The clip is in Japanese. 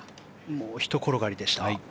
もうひと転がりでした。